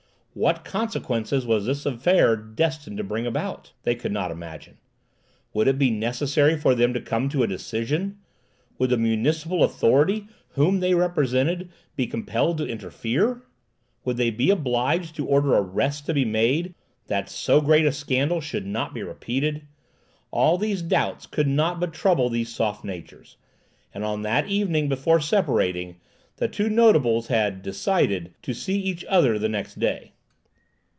What consequences was this affair destined to bring about? They could not imagine. Would it be necessary for them to come to a decision? Would the municipal authority, whom they represented, be compelled to interfere? Would they be obliged to order arrests to be made, that so great a scandal should not be repeated? All these doubts could not but trouble these soft natures; and on that evening, before separating, the two notables had "decided" to see each other the next day.